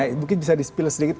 mungkin bisa di spill sedikit